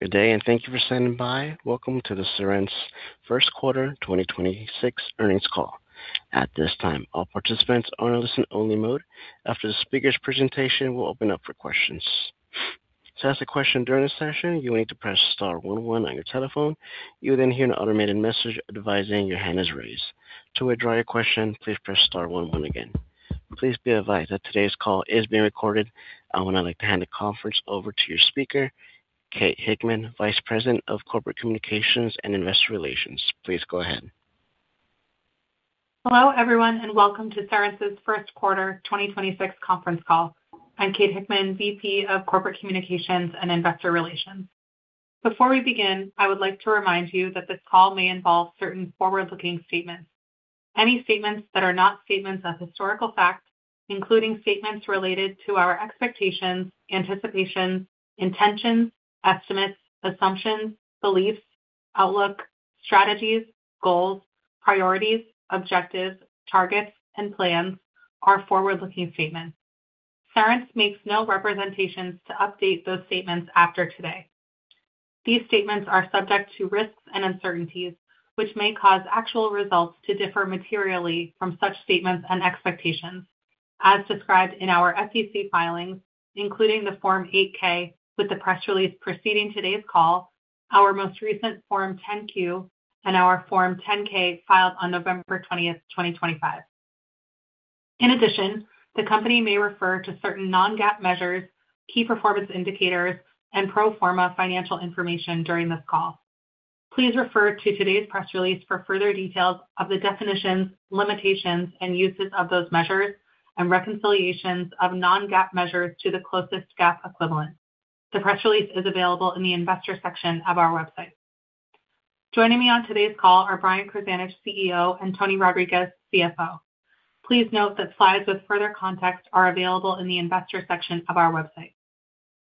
Good day, and thank you for standing by. Welcome to the Cerence First Quarter 2026 earnings call. At this time, all participants are in listen-only mode. After the speaker's presentation, we'll open up for questions. To ask a question during the session, you will need to press star 11 on your telephone. You will then hear an automated message advising your hand is raised. To withdraw your question, please press star 11 again. Please be advised that today's call is being recorded, and I would now like to hand the conference over to your speaker, Kate Hickman, Vice President of Corporate Communications and Investor Relations. Please go ahead. Hello everyone, and welcome to Cerence's First Quarter 2026 conference call. I'm Kate Hickman, VP of Corporate Communications and Investor Relations. Before we begin, I would like to remind you that this call may involve certain forward-looking statements. Any statements that are not statements of historical fact, including statements related to our expectations, anticipations, intentions, estimates, assumptions, beliefs, outlook, strategies, goals, priorities, objectives, targets, and plans, are forward-looking statements. Cerence makes no representations to update those statements after today. These statements are subject to risks and uncertainties, which may cause actual results to differ materially from such statements and expectations. As described in our SEC filings, including the Form 8-K with the press release preceding today's call, our most recent Form 10-Q, and our Form 10-K filed on November 20th, 2025. In addition, the company may refer to certain non-GAAP measures, key performance indicators, and pro forma financial information during this call. Please refer to today's press release for further details of the definitions, limitations, and uses of those measures, and reconciliations of non-GAAP measures to the closest GAAP equivalent. The press release is available in the investor section of our website. Joining me on today's call are Brian Krzanich, CEO, and Tony Rodriquez, CFO. Please note that slides with further context are available in the investor section of our website.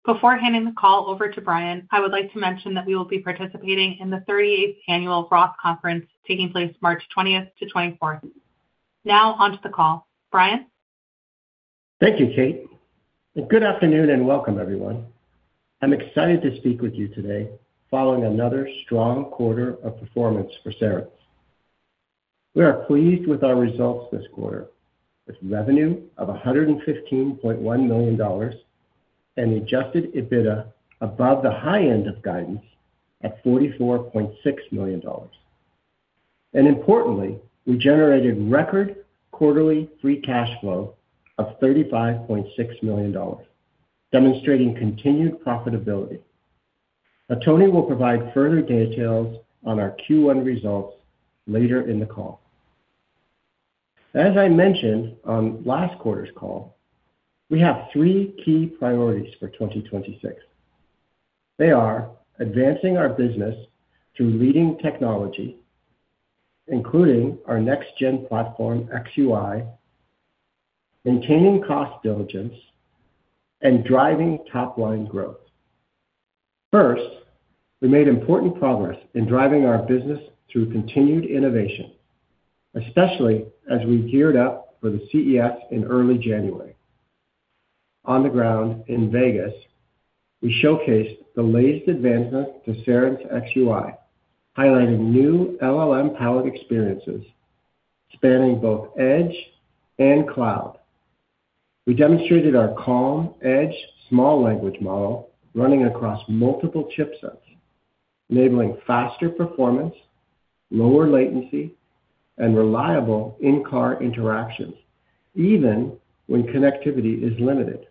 Before handing the call over to Brian, I would like to mention that we will be participating in the 38th annual Roth Conference taking place March 20th to 24th. Now onto the call. Brian? Thank you, Kate. Good afternoon and welcome, everyone. I'm excited to speak with you today following another strong quarter of performance for Cerence. We are pleased with our results this quarter, with revenue of $115.1 million and the Adjusted EBITDA above the high end of guidance at $44.6 million. Importantly, we generated record quarterly free cash flow of $35.6 million, demonstrating continued profitability. Tony will provide further details on our Q1 results later in the call. As I mentioned on last quarter's call, we have three key priorities for 2026. They are advancing our business through leading technology, including our next-gen platform xUI, maintaining cost diligence, and driving top-line growth. First, we made important progress in driving our business through continued innovation, especially as we geared up for the CES in early January. On the ground in Vegas, we showcased the latest advancements to Cerence xUI, highlighting new LLM-powered experiences spanning both edge and cloud. We demonstrated our CaLLM Edge small language model running across multiple chipsets, enabling faster performance, lower latency, and reliable in-car interactions, even when connectivity is limited.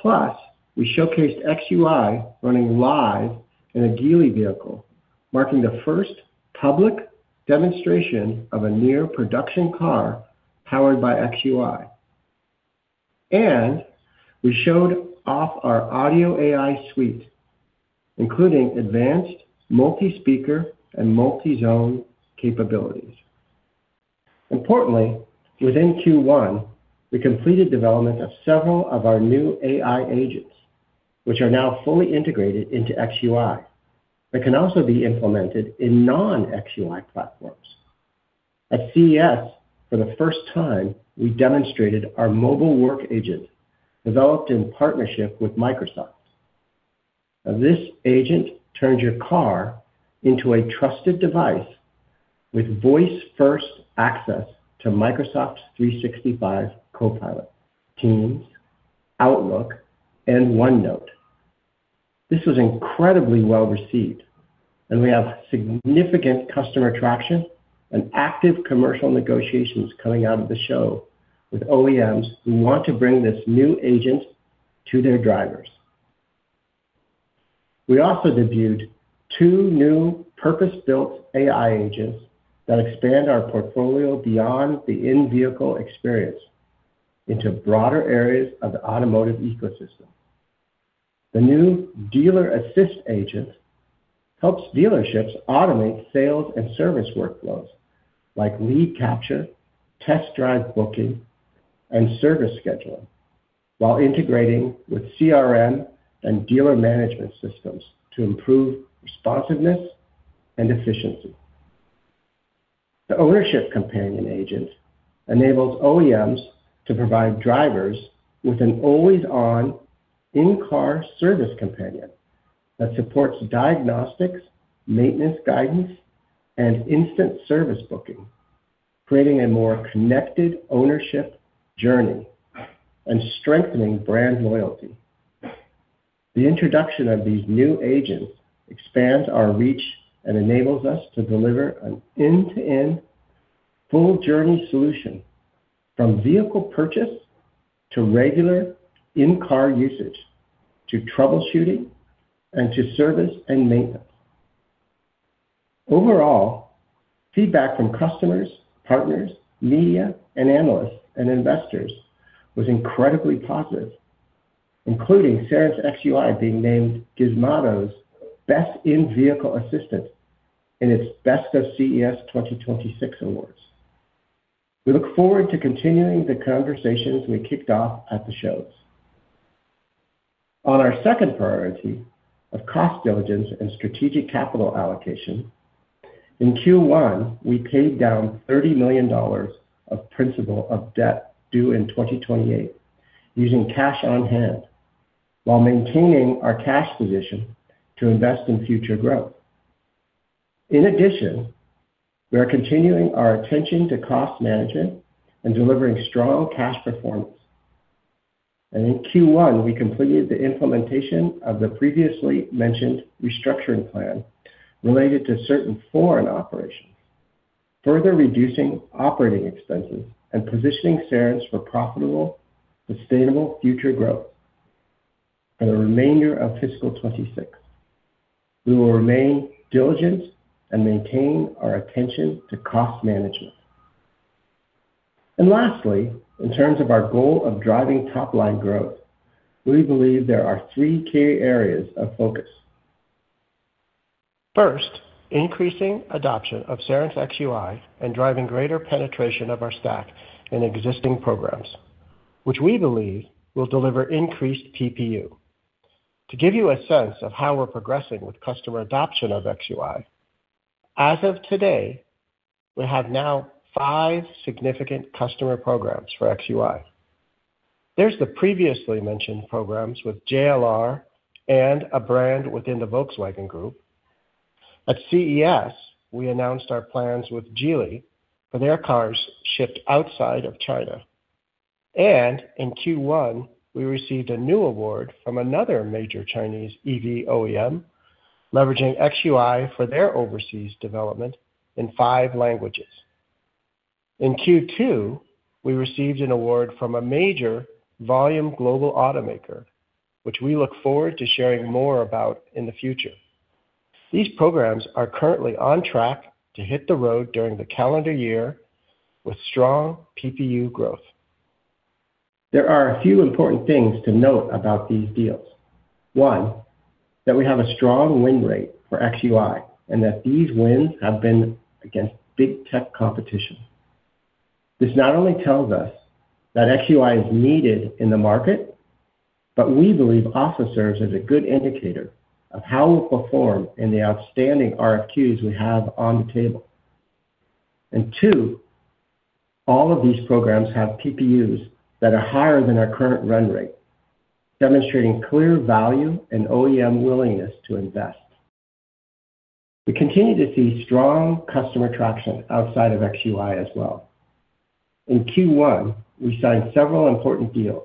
Plus, we showcased xUI running live in a Geely vehicle, marking the first public demonstration of a near-production car powered by xUI. We showed off our audio AI suite, including advanced multi-speaker and multi-zone capabilities. Importantly, within Q1, we completed development of several of our new AI agents, which are now fully integrated into xUI but can also be implemented in non-xUI platforms. At CES, for the first time, we demonstrated our Mobile Work AI Agent developed in partnership with Microsoft. Now, this agent turns your car into a trusted device with voice-first access to Microsoft 365 Copilot, Teams, Outlook, and OneNote. This was incredibly well-received, and we have significant customer traction and active commercial negotiations coming out of the show with OEMs who want to bring this new agent to their drivers. We also debuted two new purpose-built AI agents that expand our portfolio beyond the in-vehicle experience into broader areas of the automotive ecosystem. The new Dealer Assist Agent helps dealerships automate sales and service workflows like lead capture, test drive booking, and service scheduling while integrating with CRM and dealer management systems to improve responsiveness and efficiency. The Ownership Companion Agent enables OEMs to provide drivers with an always-on, in-car service companion that supports diagnostics, maintenance guidance, and instant service booking, creating a more connected ownership journey and strengthening brand loyalty. The introduction of these new agents expands our reach and enables us to deliver an end-to-end, full-journey solution from vehicle purchase to regular in-car usage to troubleshooting and to service and maintenance. Overall, feedback from customers, partners, media, and analysts and investors was incredibly positive, including Cerence xUI being named Gizmodo's best in-vehicle assistant in its Best of CES 2026 Awards. We look forward to continuing the conversations we kicked off at the shows. On our second priority of cost diligence and strategic capital allocation, in Q1, we paid down $30 million of principal of debt due in 2028 using cash on hand while maintaining our cash position to invest in future growth. In addition, we are continuing our attention to cost management and delivering strong cash performance. In Q1, we completed the implementation of the previously mentioned restructuring plan related to certain foreign operations, further reducing operating expenses and positioning Cerence for profitable, sustainable future growth for the remainder of fiscal 2026. We will remain diligent and maintain our attention to cost management. Lastly, in terms of our goal of driving top-line growth, we believe there are three key areas of focus. First, increasing adoption of Cerence xUI and driving greater penetration of our stack in existing programs, which we believe will deliver increased PPU. To give you a sense of how we're progressing with customer adoption of xUI, as of today, we have now five significant customer programs for xUI. There's the previously mentioned programs with JLR and a brand within the Volkswagen Group. At CES, we announced our plans with Geely for their cars shipped outside of China. In Q1, we received a new award from another major Chinese EV OEM leveraging xUI for their overseas development in five languages. In Q2, we received an award from a major volume global automaker, which we look forward to sharing more about in the future. These programs are currently on track to hit the road during the calendar year with strong PPU growth. There are a few important things to note about these deals. One, that we have a strong win rate for xUI and that these wins have been against big tech competition. This not only tells us that xUI is needed in the market, but we believe also serves as a good indicator of how we'll perform in the outstanding RFQs we have on the table. And two, all of these programs have PPUs that are higher than our current run rate, demonstrating clear value and OEM willingness to invest. We continue to see strong customer traction outside of xUI as well. In Q1, we signed several important deals,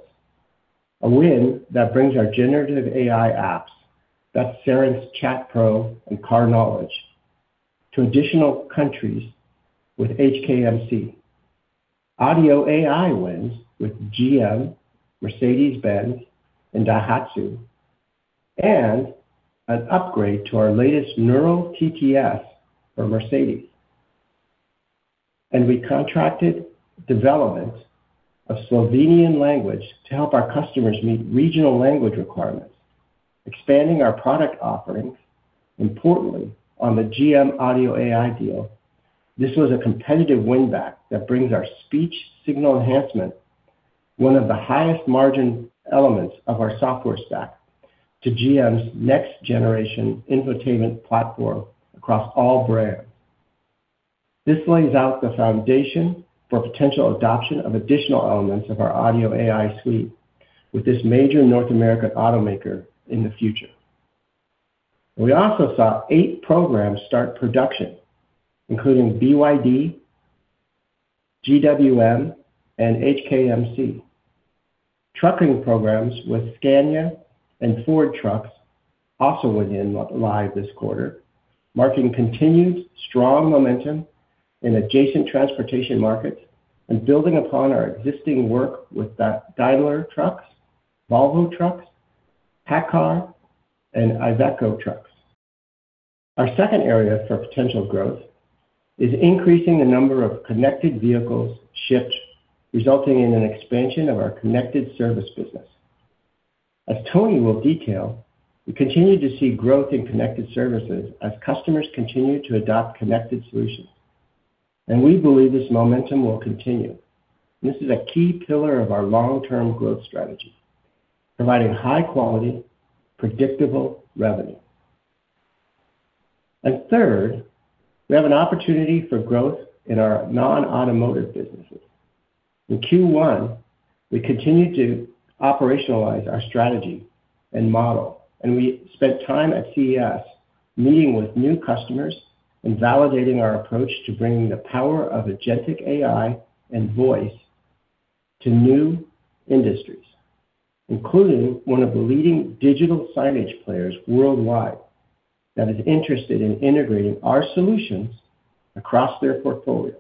a win that brings our generative AI apps, that's Cerence Chat Pro and Car Knowledge, to additional countries with HKMC, audio AI wins with GM, Mercedes-Benz, and Daihatsu, and an upgrade to our latest Neural TTS for Mercedes-Benz. We contracted development of Slovenian language to help our customers meet regional language requirements, expanding our product offerings. Importantly, on the GM audio AI deal, this was a competitive winback that brings our speech signal enhancement, one of the highest margin elements of our software stack, to GM's next-generation infotainment platform across all brands. This lays out the foundation for potential adoption of additional elements of our audio AI suite with this major North American automaker in the future. We also saw eight programs start production, including BYD, GWM, and HKMC. Trucking programs with Scania and Ford Trucks also went live this quarter, marking continued strong momentum in adjacent transportation markets and building upon our existing work with Daimler Trucks, Volvo Trucks, PACCAR, and Iveco Trucks. Our second area for potential growth is increasing the number of connected vehicles shipped, resulting in an expansion of our connected service business. As Tony will detail, we continue to see growth in connected services as customers continue to adopt connected solutions. We believe this momentum will continue. This is a key pillar of our long-term growth strategy, providing high-quality, predictable revenue. Third, we have an opportunity for growth in our non-automotive businesses. In Q1, we continue to operationalize our strategy and model. We spent time at CES meeting with new customers and validating our approach to bringing the power of agentic AI and voice to new industries, including one of the leading digital signage players worldwide that is interested in integrating our solutions across their portfolio.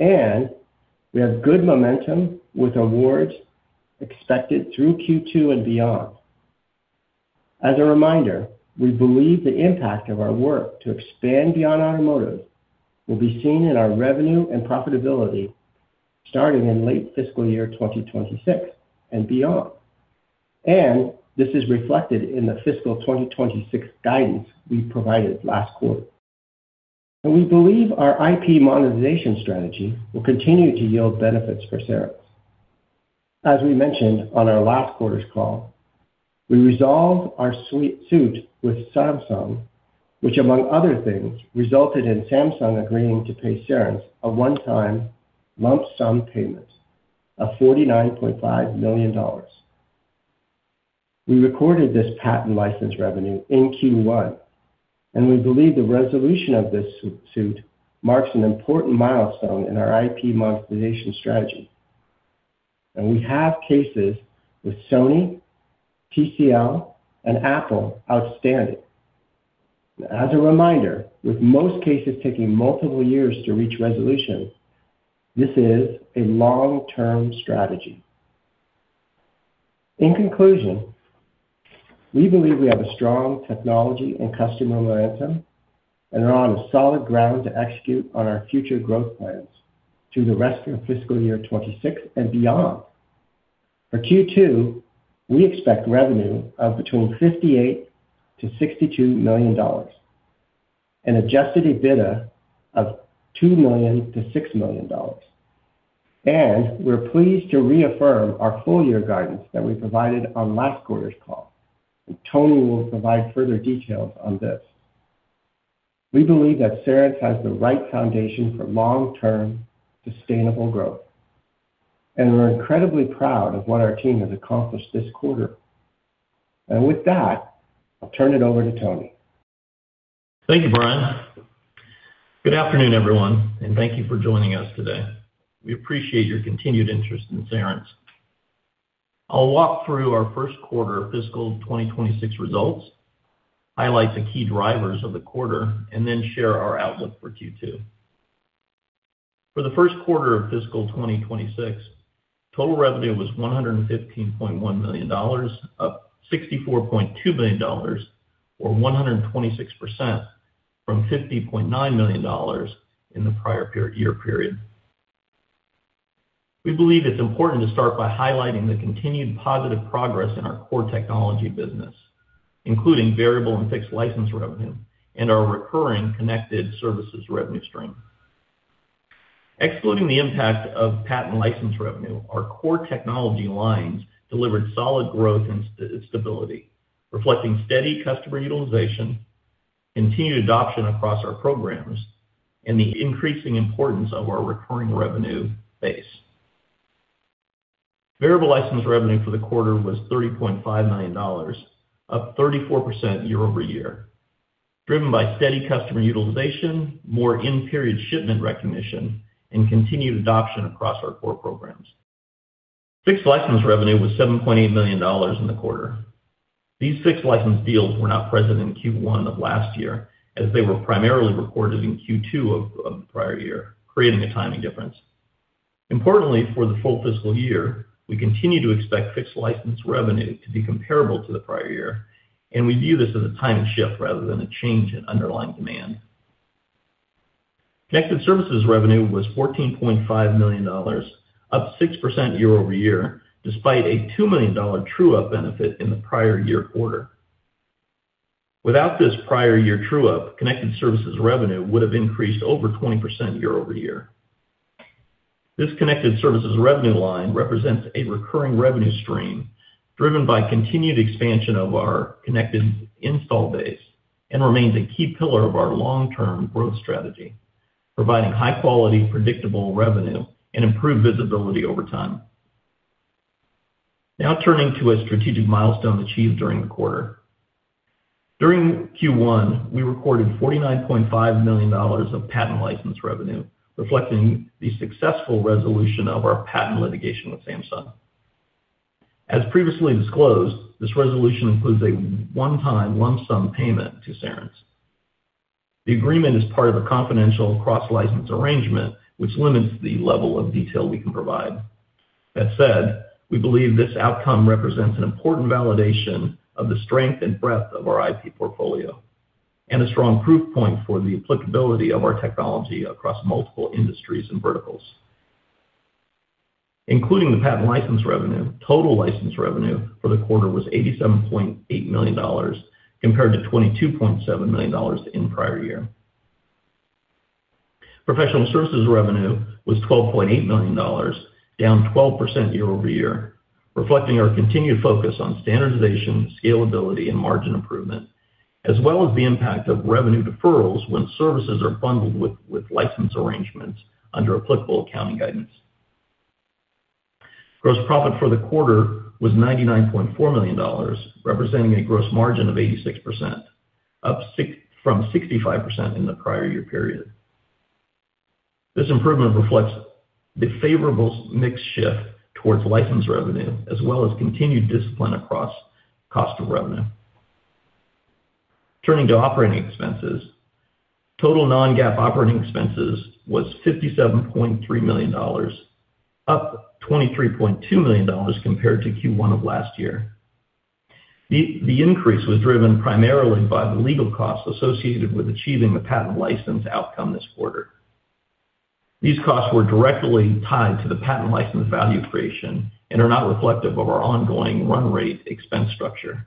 We have good momentum with awards expected through Q2 and beyond. As a reminder, we believe the impact of our work to expand beyond automotive will be seen in our revenue and profitability starting in late fiscal year 2026 and beyond. This is reflected in the fiscal 2026 guidance we provided last quarter. We believe our IP monetization strategy will continue to yield benefits for Cerence. As we mentioned on our last quarter's call, we resolved our suit with Samsung, which, among other things, resulted in Samsung agreeing to pay Cerence a one-time lump sum payment of $49.5 million. We recorded this patent license revenue in Q1, and we believe the resolution of this suit marks an important milestone in our IP monetization strategy. We have cases with Sony, TCL, and Apple outstanding. As a reminder, with most cases taking multiple years to reach resolution, this is a long-term strategy. In conclusion, we believe we have a strong technology and customer momentum and are on a solid ground to execute on our future growth plans through the rest of fiscal year 2026 and beyond. For Q2, we expect revenue of between $58 million-$62 million, an Adjusted EBITDA of $2 million-$6 million. We're pleased to reaffirm our full-year guidance that we provided on last quarter's call. Tony will provide further details on this. We believe that Cerence has the right foundation for long-term, sustainable growth. We're incredibly proud of what our team has accomplished this quarter. With that, I'll turn it over to Tony. Thank you, Brian. Good afternoon, everyone, and thank you for joining us today. We appreciate your continued interest in Cerence. I'll walk through our first quarter of fiscal 2026 results, highlight the key drivers of the quarter, and then share our outlook for Q2. For the first quarter of fiscal 2026, total revenue was $115.1 million, up $64.2 million, or 126% from $50.9 million in the prior year period. We believe it's important to start by highlighting the continued positive progress in our core technology business, including variable and fixed license revenue and our recurring connected services revenue stream. Excluding the impact of patent license revenue, our core technology lines delivered solid growth and stability, reflecting steady customer utilization, continued adoption across our programs, and the increasing importance of our recurring revenue base. Variable license revenue for the quarter was $30.5 million, up 34% year-over-year, driven by steady customer utilization, more in-period shipment recognition, and continued adoption across our core programs. Fixed license revenue was $7.8 million in the quarter. These fixed license deals were not present in Q1 of last year as they were primarily recorded in Q2 of the prior year, creating a timing difference. Importantly, for the full fiscal year, we continue to expect fixed license revenue to be comparable to the prior year, and we view this as a timing shift rather than a change in underlying demand. Connected services revenue was $14.5 million, up 6% year-over-year despite a $2 million true-up benefit in the prior year quarter. Without this prior year true-up, connected services revenue would have increased over 20% year-over-year. This connected services revenue line represents a recurring revenue stream driven by continued expansion of our connected install base and remains a key pillar of our long-term growth strategy, providing high-quality, predictable revenue and improved visibility over time. Now turning to a strategic milestone achieved during the quarter. During Q1, we recorded $49.5 million of patent license revenue, reflecting the successful resolution of our patent litigation with Samsung. As previously disclosed, this resolution includes a one-time lump sum payment to Cerence. The agreement is part of a confidential cross-license arrangement, which limits the level of detail we can provide. That said, we believe this outcome represents an important validation of the strength and breadth of our IP portfolio and a strong proof point for the applicability of our technology across multiple industries and verticals. Including the patent license revenue, total license revenue for the quarter was $87.8 million compared to $22.7 million in prior year. Professional services revenue was $12.8 million, down 12% year-over-year, reflecting our continued focus on standardization, scalability, and margin improvement, as well as the impact of revenue deferrals when services are bundled with license arrangements under applicable accounting guidance. Gross profit for the quarter was $99.4 million, representing a gross margin of 86%, up from 65% in the prior year period. This improvement reflects the favorable mix shift towards license revenue as well as continued discipline across cost of revenue. Turning to operating expenses, total non-GAAP operating expenses was $57.3 million, up $23.2 million compared to Q1 of last year. The increase was driven primarily by the legal costs associated with achieving the patent license outcome this quarter. These costs were directly tied to the patent license value creation and are not reflective of our ongoing run rate expense structure.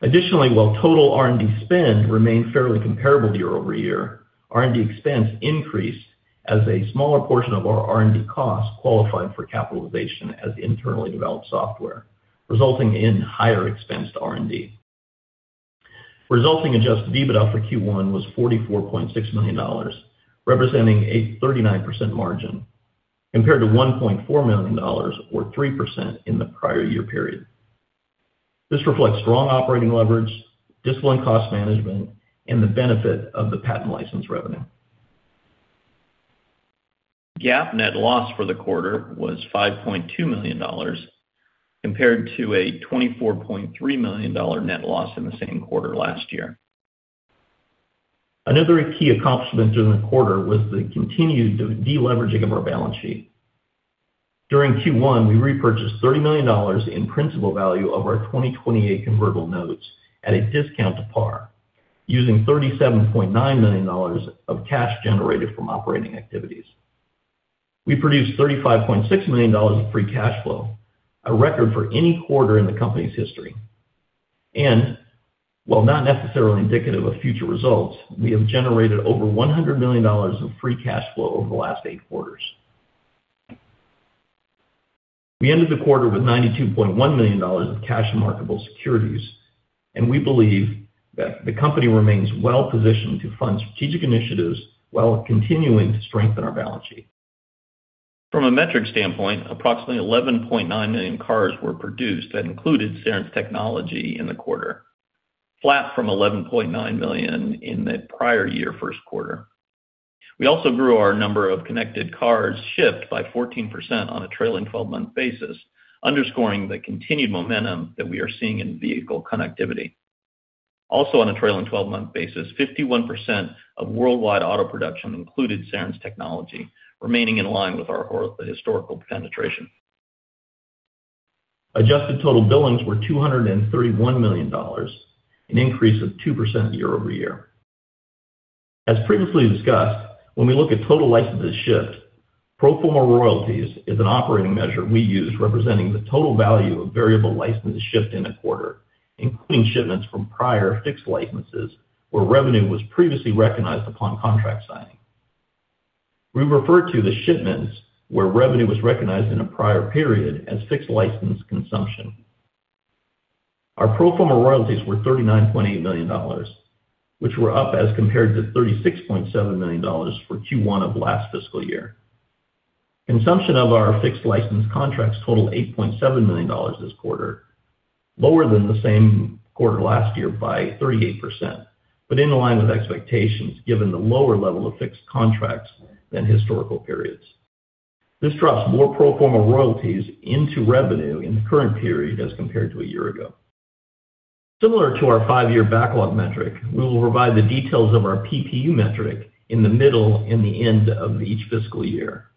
Additionally, while total R&D spend remained fairly comparable year-over-year, R&D expense increased as a smaller portion of our R&D costs qualified for capitalization as internally developed software, resulting in higher expense to R&D. Resulting Adjusted EBITDA for Q1 was $44.6 million, representing a 39% margin compared to $1.4 million or 3% in the prior year period. This reflects strong operating leverage, discipline cost management, and the benefit of the patent license revenue. GAAP net loss for the quarter was $5.2 million compared to a $24.3 million net loss in the same quarter last year. Another key accomplishment during the quarter was the continued deleveraging of our balance sheet. During Q1, we repurchased $30 million in principal value of our 2028 convertible notes at a discount to par, using $37.9 million of cash generated from operating activities. We produced $35.6 million of free cash flow, a record for any quarter in the company's history. And while not necessarily indicative of future results, we have generated over $100 million of free cash flow over the last eight quarters. We ended the quarter with $92.1 million of cash and marketable securities, and we believe that the company remains well-positioned to fund strategic initiatives while continuing to strengthen our balance sheet. From a metric standpoint, approximately 11.9 million cars were produced that included Cerence technology in the quarter, flat from 11.9 million in the prior year first quarter. We also grew our number of connected cars shipped by 14% on a trailing 12-month basis, underscoring the continued momentum that we are seeing in vehicle connectivity. Also on a trailing 12-month basis, 51% of worldwide auto production included Cerence technology, remaining in line with our historical penetration. Adjusted total billings were $231 million, an increase of 2% year-over-year. As previously discussed, when we look at total licenses shipped, Pro Forma Royalties is an operating measure we use representing the total value of variable licenses shipped in a quarter, including shipments from prior fixed licenses where revenue was previously recognized upon contract signing. We refer to the shipments where revenue was recognized in a prior period as fixed license consumption. Our Pro Forma Royalties were $39.8 million, which were up as compared to $36.7 million for Q1 of last fiscal year. Consumption of our fixed license contracts totaled $8.7 million this quarter, lower than the same quarter last year by 38%, but in line with expectations given the lower level of fixed contracts than historical periods. This drops more pro forma royalties into revenue in the current period as compared to a year ago. Similar to our five-year backlog metric, we will provide the details of our PPU metric in the middle and the end of each fiscal year.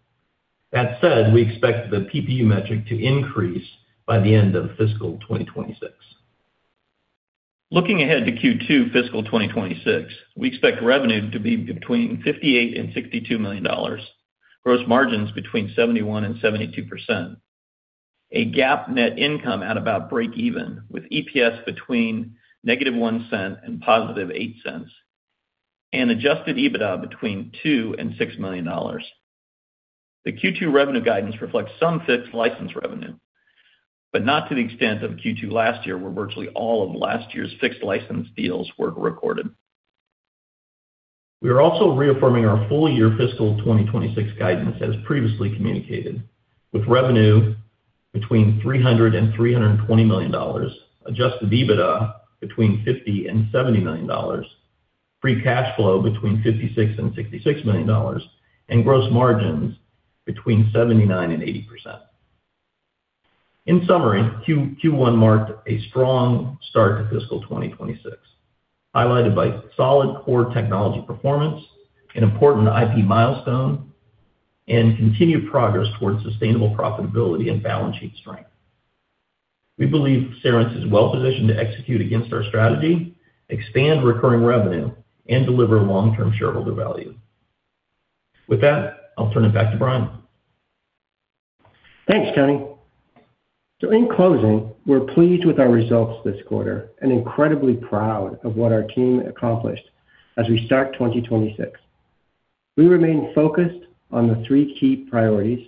That said, we expect the PPU metric to increase by the end of fiscal 2026. Looking ahead to Q2 fiscal 2026, we expect revenue to be between $58 million-$62 million, gross margins between 71%-72%, a GAAP net income at about break-even with EPS between -$0.01 and +$0.08, and Adjusted EBITDA between $2 million-$6 million. The Q2 revenue guidance reflects some fixed license revenue, but not to the extent of Q2 last year where virtually all of last year's fixed license deals were recorded. We are also reaffirming our full-year fiscal 2026 guidance as previously communicated, with revenue between $300 million-$320 million, Adjusted EBITDA between $50 million-$70 million, free cash flow between $56 million-$66 million, and gross margins between 79%-80%. In summary, Q1 marked a strong start to fiscal 2026, highlighted by solid core technology performance, an important IP milestone, and continued progress towards sustainable profitability and balance sheet strength. We believe Cerence is well-positioned to execute against our strategy, expand recurring revenue, and deliver long-term shareholder value. With that, I'll turn it back to Brian. Thanks, Tony. So in closing, we're pleased with our results this quarter and incredibly proud of what our team accomplished as we start 2026. We remain focused on the three key priorities: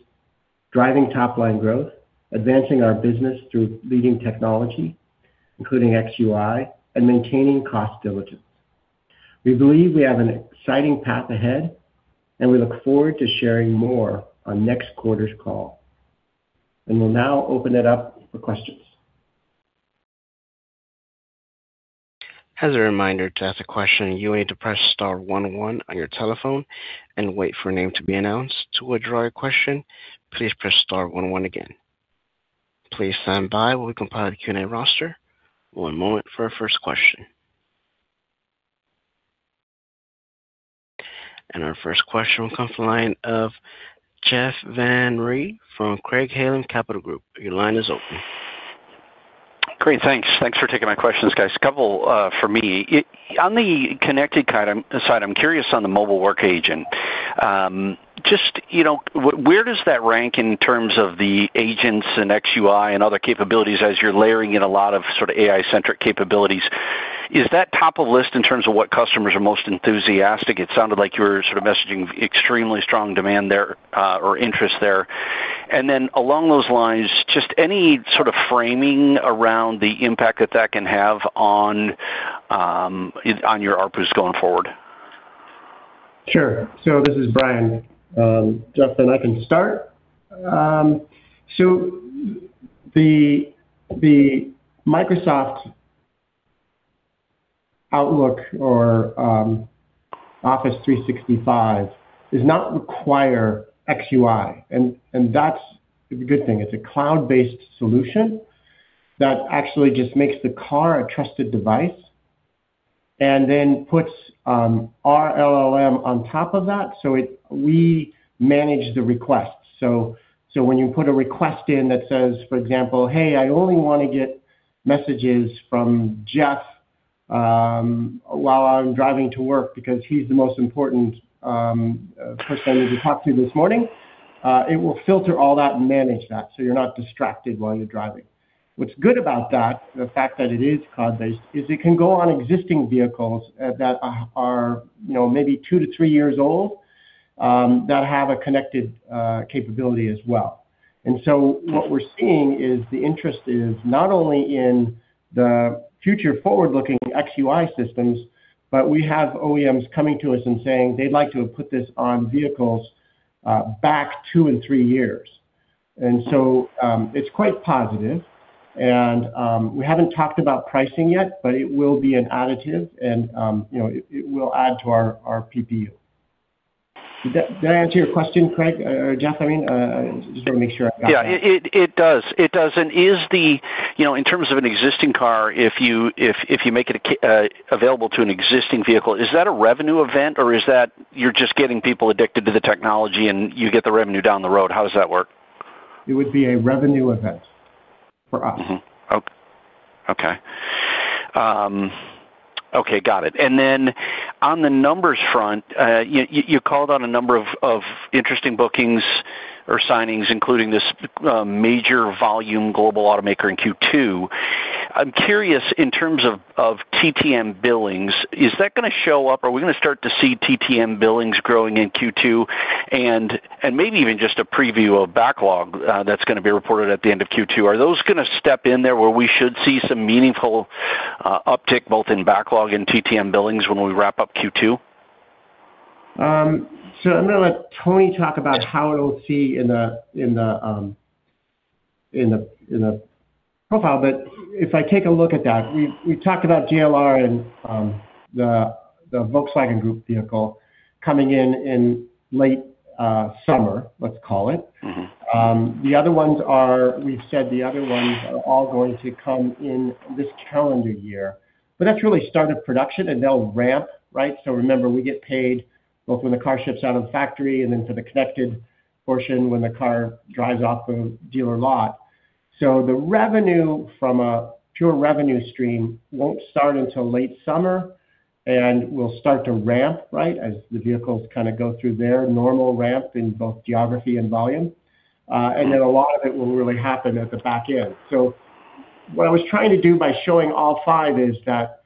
driving top-line growth, advancing our business through leading technology, including xUI, and maintaining cost diligence. We believe we have an exciting path ahead, and we look forward to sharing more on next quarter's call. We'll now open it up for questions. As a reminder to ask a question, you may need to press star 11 on your telephone and wait for a name to be announced. To withdraw your question, please press star 11 again. Please stand by while we compile the Q&A roster. One moment for our first question. Our first question will come from the line of Jeff Van Rhee from Craig-Hallum Capital Group. Your line is open. Great. Thanks. Thanks for taking my questions, guys. A couple for me. On the connected side I'm curious on the mobile work agent. Just where does that rank in terms of the agents and xUI and other capabilities as you're layering in a lot of sort of AI-centric capabilities? Is that top of list in terms of what customers are most enthusiastic? It sounded like you were sort of messaging extremely strong demand there or interest there. And then along those lines, just any sort of framing around the impact that that can have on your ARPUs going forward? Sure. So this is Brian. Jeff, then I can start. So the Microsoft Outlook or Microsoft 365 does not require xUI, and that's a good thing. It's a cloud-based solution that actually just makes the car a trusted device and then puts our LLM on top of that. So we manage the requests. So when you put a request in that says, for example, "Hey, I only want to get messages from Jeff while I'm driving to work because he's the most important person I need to talk to this morning," it will filter all that and manage that so you're not distracted while you're driving. What's good about that, the fact that it is cloud-based, is it can go on existing vehicles that are maybe two to three years old that have a connected capability as well. So what we're seeing is the interest is not only in the future-forward-looking xUI systems, but we have OEMs coming to us and saying they'd like to put this on vehicles back two and three years. So it's quite positive. We haven't talked about pricing yet, but it will be an additive, and it will add to our PPU. Did that answer your question, Craig or Jeff? I mean, I just want to make sure I got that. Yeah, it does. It does. In terms of an existing car, if you make it available to an existing vehicle, is that a revenue event, or is that you're just getting people addicted to the technology and you get the revenue down the road? How does that work? It would be a revenue event for us. Okay. Okay. Got it. And then on the numbers front, you called on a number of interesting bookings or signings, including this major volume global automaker in Q2. I'm curious, in terms of TTM billings, is that going to show up, or are we going to start to see TTM billings growing in Q2, and maybe even just a preview of backlog that's going to be reported at the end of Q2? Are those going to step in there where we should see some meaningful uptick both in backlog and TTM billings when we wrap up Q2? So I'm going to let Tony talk about how it'll fit in the profile. But if I take a look at that, we've talked about JLR and the Volkswagen Group vehicle coming in late summer, let's call it. The other ones are we've said the other ones are all going to come in this calendar year, but that's really start of production, and they'll ramp, right? So remember, we get paid both when the car ships out of the factory and then for the connected portion when the car drives off the dealer lot. So the revenue from a pure revenue stream won't start until late summer, and we'll start to ramp, right, as the vehicles kind of go through their normal ramp in both geography and volume. And then a lot of it will really happen at the back end. So what I was trying to do by showing all five is that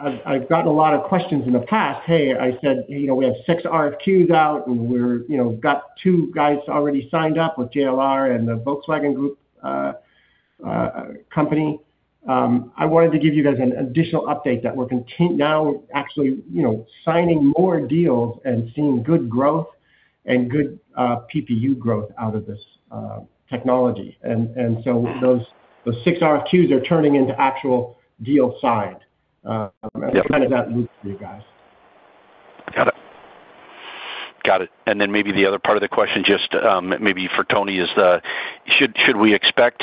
I've gotten a lot of questions in the past. Hey, I said we have six RFQs out, and we've got two guys already signed up with JLR and the Volkswagen Group company. I wanted to give you guys an additional update that we're now actually signing more deals and seeing good growth and good PPU growth out of this technology. And so those six RFQs are turning into actual deal signed. That's kind of that loop for you guys. Got it. Got it. And then maybe the other part of the question, just maybe for Tony, is should we expect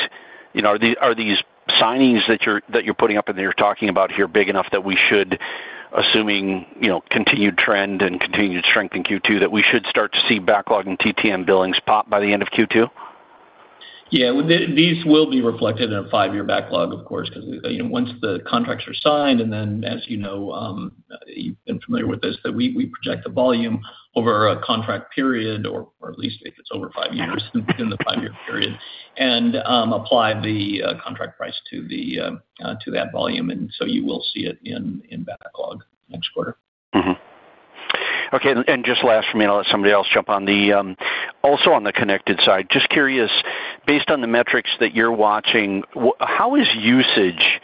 are these signings that you're putting up and that you're talking about here big enough that we should, assuming continued trend and continued strength in Q2, that we should start to see backlog and TTM billings pop by the end of Q2? Yeah. These will be reflected in a five-year backlog, of course, because once the contracts are signed and then, as you know you've been familiar with this, that we project the volume over a contract period, or at least if it's over five years, within the five-year period and apply the contract price to that volume. So you will see it in backlog next quarter. Okay. And just last for me, and I'll let somebody else jump on the also on the connected side, just curious, based on the metrics that you're watching, how is usage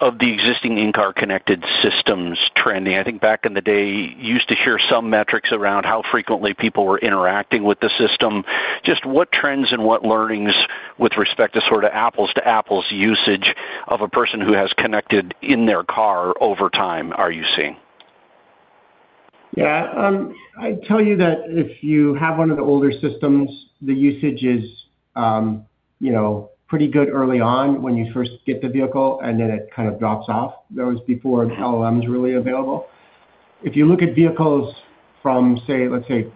of the existing in-car connected systems trending? I think back in the day, you used to share some metrics around how frequently people were interacting with the system. Just what trends and what learnings with respect to sort of apples-to-apples usage of a person who has connected in their car over time are you seeing? Yeah. I'd tell you that if you have one of the older systems, the usage is pretty good early on when you first get the vehicle, and then it kind of drops off. That was before LLMs were really available. If you look at vehicles from, say, let's say,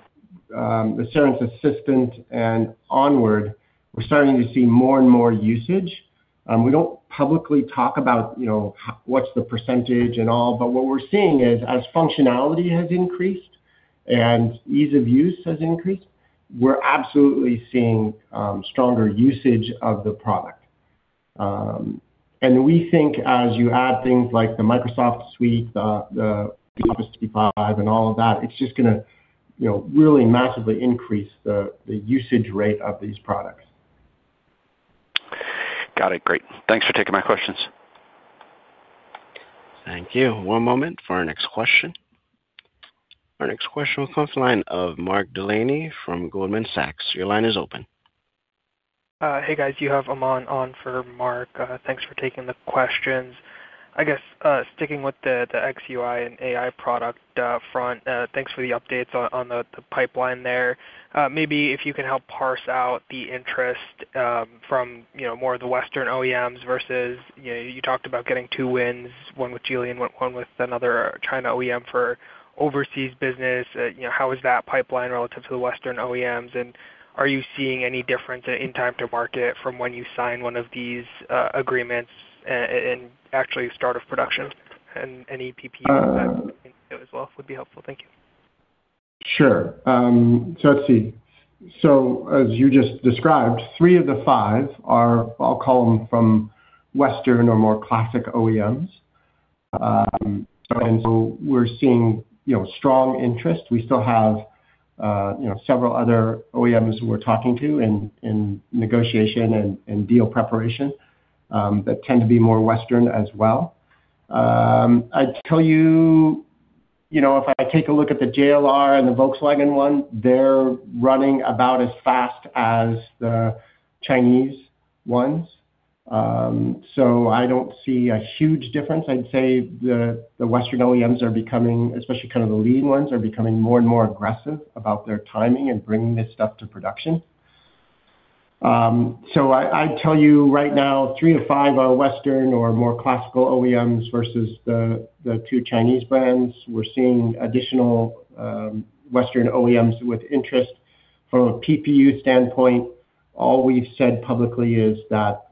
the Cerence Assistant and onward, we're starting to see more and more usage. We don't publicly talk about what's the percentage and all, but what we're seeing is as functionality has increased and ease of use has increased, we're absolutely seeing stronger usage of the product. And we think as you add things like the Microsoft Suite, Microsoft 365, and all of that, it's just going to really massively increase the usage rate of these products. Got it. Great. Thanks for taking my questions. Thank you. One moment for our next question. Our next question will come from the line of Mark Delaney from Goldman Sachs. Your line is open. Hey, guys. You have Aman on for Mark. Thanks for taking the questions. I guess sticking with the xUI and AI product front, thanks for the updates on the pipeline there. Maybe if you can help parse out the interest from more of the Western OEMs versus you talked about getting two wins, one with Geely and one with another China OEM for overseas business. How is that pipeline relative to the Western OEMs? And are you seeing any difference in time-to-market from when you sign one of these agreements and actually start of production? And any PPUs that you can do as well would be helpful. Thank you. Sure. So let's see. So as you just described, three of the five are I'll call them from Western or more classic OEMs. And so we're seeing strong interest. We still have several other OEMs we're talking to in negotiation and deal preparation that tend to be more Western as well. I'd tell you if I take a look at the JLR and the Volkswagen one, they're running about as fast as the Chinese ones. So I don't see a huge difference. I'd say the Western OEMs are becoming especially kind of the leading ones are becoming more and more aggressive about their timing and bringing this stuff to production. So I'd tell you right now, three of five are Western or more classic OEMs versus the two Chinese brands. We're seeing additional Western OEMs with interest. From a PPU standpoint, all we've said publicly is that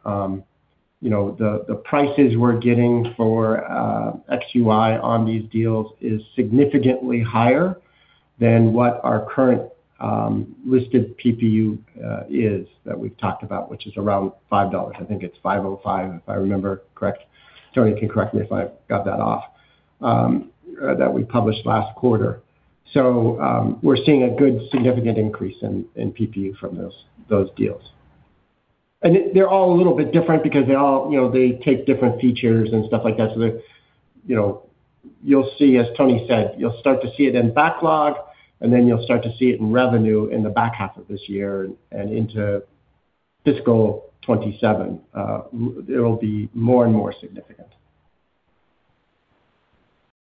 the prices we're getting for xUI on these deals is significantly higher than what our current listed PPU is that we've talked about, which is around $5. I think it's $5.05, if I remember correct. Tony, you can correct me if I got that off, that we published last quarter. So we're seeing a good significant increase in PPU from those deals. And they're all a little bit different because they take different features and stuff like that. So you'll see, as Tony said, you'll start to see it in backlog, and then you'll start to see it in revenue in the back half of this year and into fiscal 2027. It'll be more and more significant.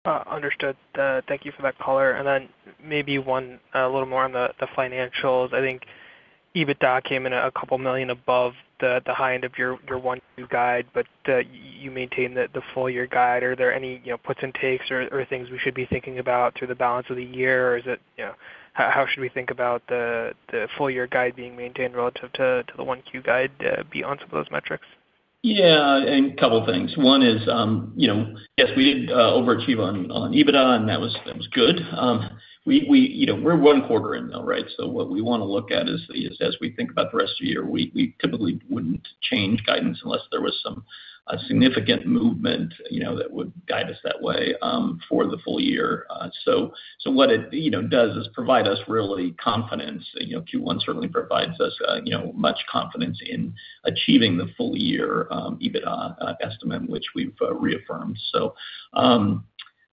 Understood. Thank you for that, caller. And then maybe one a little more on the financials. I think EBITDA came in $2 million above the high end of your 1Q guide, but you maintain the full-year guide. Are there any puts and takes or things we should be thinking about through the balance of the year, or is it how should we think about the full-year guide being maintained relative to the 1Q guide beyond some of those metrics? Yeah. And a couple of things. One is, yes, we did overachieve on EBITDA, and that was good. We're one quarter in now, right? So what we want to look at is as we think about the rest of the year, we typically wouldn't change guidance unless there was some significant movement that would guide us that way for the full year. So what it does is provide us really confidence. Q1 certainly provides us much confidence in achieving the full-year EBITDA estimate, which we've reaffirmed.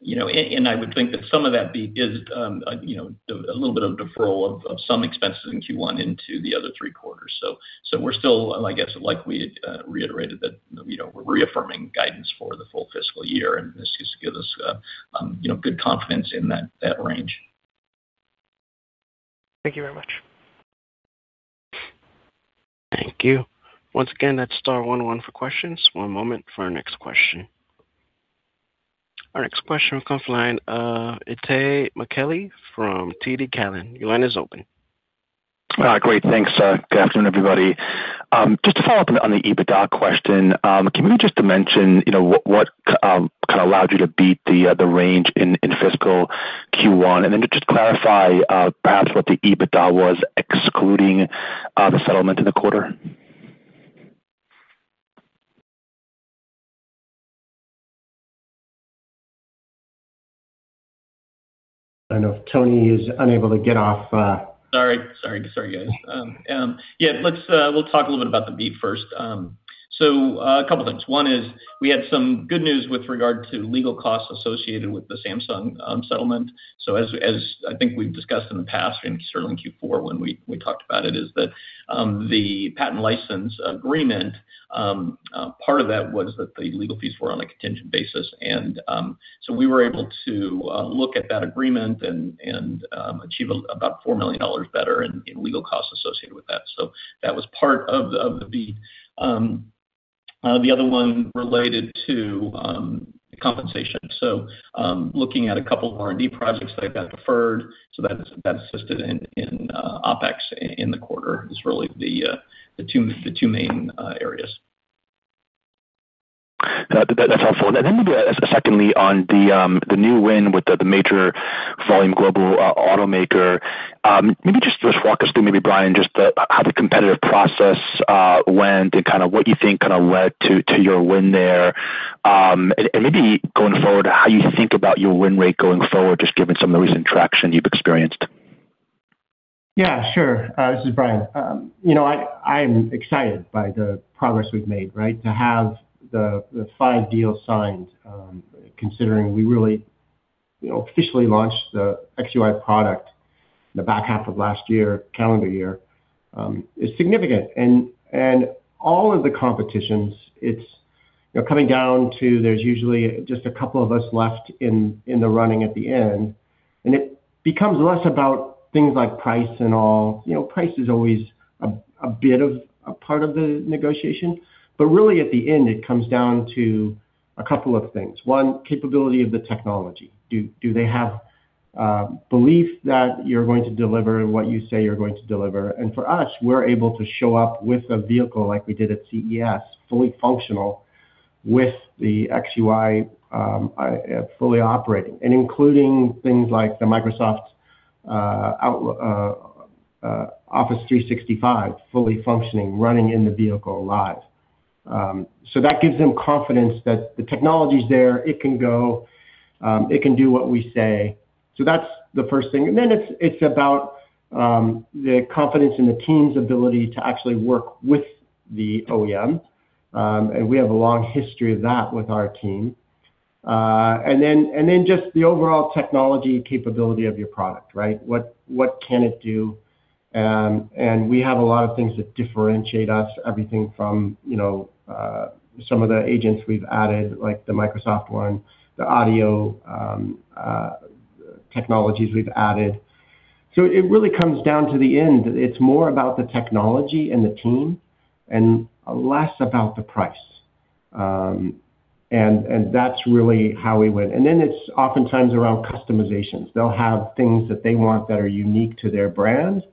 And I would think that some of that is a little bit of deferral of some expenses in Q1 into the other three quarters. So we're still, I guess, like we reiterated, that we're reaffirming guidance for the full fiscal year, and this just gives us good confidence in that range. Thank you very much. Thank you. Once again, that's star 11 for questions. One moment for our next question. Our next question will come from the line of Itay Michaeli from TD Cowen. Your line is open. Great. Thanks. Good afternoon, everybody. Just to follow up on the EBITDA question, can you just mention what kind of allowed you to beat the range in fiscal Q1? And then just clarify perhaps what the EBITDA was excluding the settlement in the quarter. I don't know if Tony is unable to get off. Sorry. Sorry, guys. Yeah. We'll talk a little bit about the beat first. So a couple of things. One is we had some good news with regard to legal costs associated with the Samsung settlement. So as I think we've discussed in the past, certainly in Q4 when we talked about it, is that the patent license agreement, part of that was that the legal fees were on a contingent basis. And so we were able to look at that agreement and achieve about $4 million better in legal costs associated with that. So that was part of the beat. The other one related to compensation. So looking at a couple of R&D projects that got deferred, so that assisted in OpEx in the quarter is really the two main areas. That's helpful. Then maybe secondly on the new win with the major volume global automaker, maybe just walk us through, maybe Brian, just how the competitive process went and kind of what you think kind of led to your win there. And maybe going forward, how you think about your win rate going forward, just given some of the recent traction you've experienced? Yeah. Sure. This is Brian. I am excited by the progress we've made, right, to have the five deals signed, considering we really officially launched the xUI product in the back half of last year, calendar year. It's significant. All of the competitions, it's coming down to there's usually just a couple of us left in the running at the end. It becomes less about things like price and all. Price is always a bit of a part of the negotiation. But really, at the end, it comes down to a couple of things. One, capability of the technology. Do they have belief that you're going to deliver what you say you're going to deliver? For us, we're able to show up with a vehicle like we did at CES, fully functional with the xUI fully operating, and including things like the Microsoft 365 fully functioning, running in the vehicle live. So that gives them confidence that the technology's there. It can go. It can do what we say. So that's the first thing. Then it's about the confidence in the team's ability to actually work with the OEM. And we have a long history of that with our team. Then just the overall technology capability of your product, right? What can it do? And we have a lot of things that differentiate us, everything from some of the agents we've added, like the Microsoft one, the audio technologies we've added. So it really comes down to the end. It's more about the technology and the team and less about the price. And that's really how we win. And then it's oftentimes around customizations. They'll have things that they want that are unique to their brand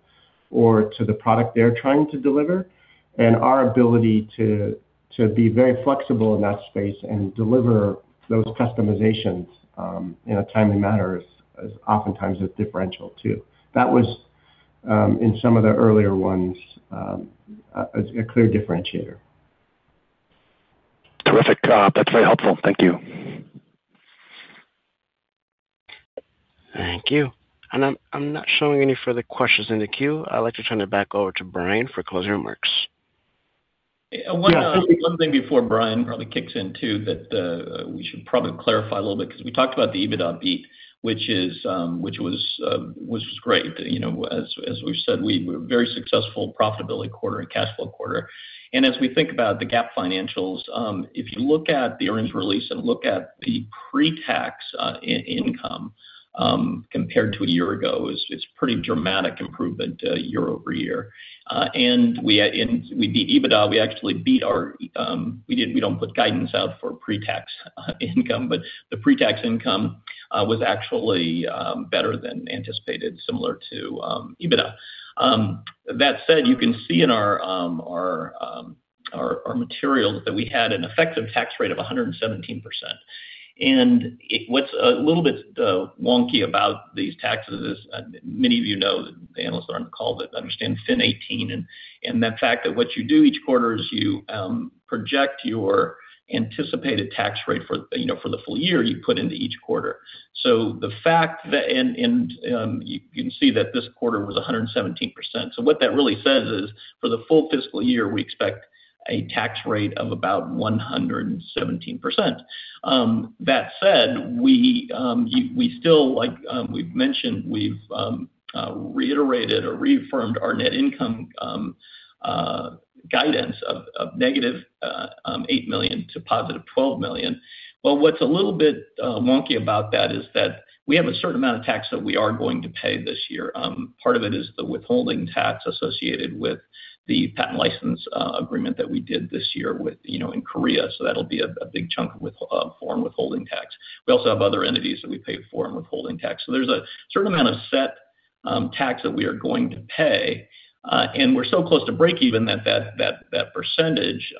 or to the product they're trying to deliver. And our ability to be very flexible in that space and deliver those customizations in a timely manner is oftentimes a differentiator too. That was, in some of the earlier ones, a clear differentiator. Terrific. That's very helpful. Thank you. Thank you. I'm not showing any further questions in the queue. I'd like to turn it back over to Brian for closing remarks. One thing before Brian probably kicks in too that we should probably clarify a little bit because we talked about the EBITDA beat, which was great. As we've said, we were very successful profitability quarter and cash flow quarter. As we think about the GAAP financials, if you look at the earnings release and look at the pre-tax income compared to a year ago, it's a pretty dramatic improvement year-over-year. We beat EBITDA. We actually beat we don't put guidance out for pre-tax income, but the pre-tax income was actually better than anticipated, similar to EBITDA. That said, you can see in our materials that we had an effective tax rate of 117%. What's a little bit wonky about these taxes is many of you know the analysts that are on the call that understand FIN 18 and that fact that what you do each quarter is you project your anticipated tax rate for the full year you put into each quarter. So the fact that, and you can see that this quarter was 117%. So what that really says is for the full fiscal year, we expect a tax rate of about 117%. That said, we still, like we've mentioned, we've reiterated or reaffirmed our net income guidance of -$8 million-$12 million. Well, what's a little bit wonky about that is that we have a certain amount of tax that we are going to pay this year. Part of it is the withholding tax associated with the patent license agreement that we did this year in Korea. So that'll be a big chunk of foreign withholding tax. We also have other entities that we pay foreign withholding tax. So there's a certain amount of set tax that we are going to pay. And we're so close to break-even that that percentage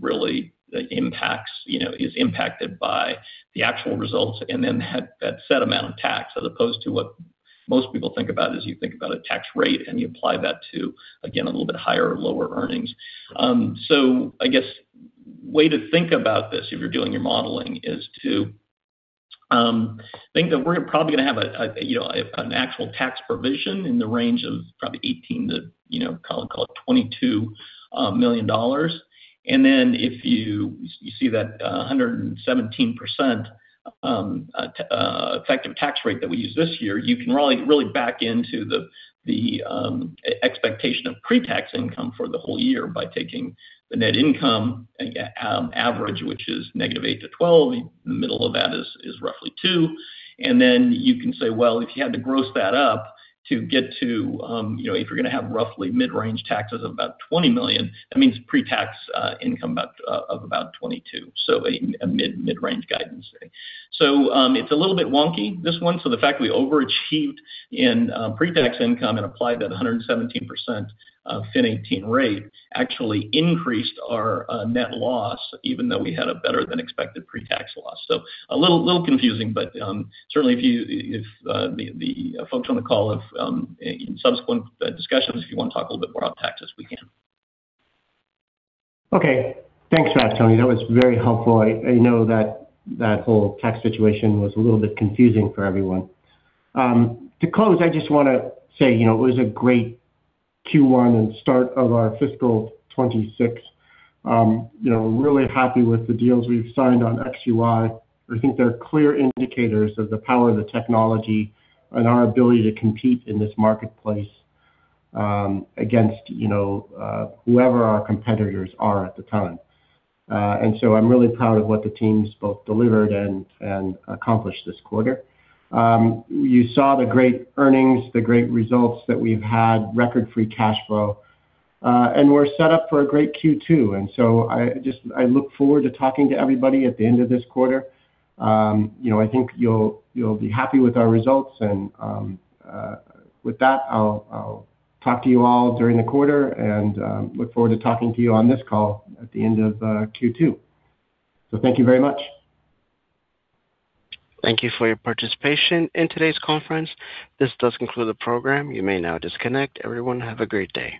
really is impacted by the actual results and then that set amount of tax as opposed to what most people think about is you think about a tax rate and you apply that to, again, a little bit higher or lower earnings. So I guess a way to think about this if you're doing your modeling is to think that we're probably going to have an actual tax provision in the range of probably $18 million-$22 million. Then if you see that 117% effective tax rate that we use this year, you can really back into the expectation of pre-tax income for the whole year by taking the net income average, which is -$8 million-$12 million. The middle of that is roughly $2 million. Then you can say, "Well, if you had to gross that up to get to if you're going to have roughly mid-range taxes of about $20 million, that means pre-tax income of about $22 million," so a mid-range guidance thing. So it's a little bit wonky, this one. So the fact that we overachieved in pre-tax income and applied that 117% FIN 18 rate actually increased our net loss even though we had a better-than-expected pre-tax loss. A little confusing, but certainly, if the folks on the call, in subsequent discussions, if you want to talk a little bit more about taxes, we can. Okay. Thanks for that, Tony. That was very helpful. I know that whole tax situation was a little bit confusing for everyone. To close, I just want to say it was a great Q1 and start of our fiscal 2026. Really happy with the deals we've signed on xUI. I think they're clear indicators of the power of the technology and our ability to compete in this marketplace against whoever our competitors are at the time. And so I'm really proud of what the teams both delivered and accomplished this quarter. You saw the great earnings, the great results that we've had, record free cash flow. And we're set up for a great Q2. And so I look forward to talking to everybody at the end of this quarter. I think you'll be happy with our results. With that, I'll talk to you all during the quarter and look forward to talking to you on this call at the end of Q2. Thank you very much. Thank you for your participation in today's conference. This does conclude the program. You may now disconnect. Everyone, have a great day.